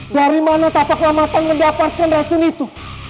dari mana tak terlamatan mendapatkan racun itu